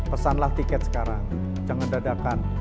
pesanlah tiket sekarang jangan dadakan